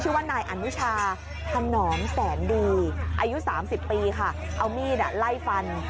ชื่อว่านายอนุชาถนอมแสนดีอายุ๓๐ปีค่ะเอามีดไล่ฟัน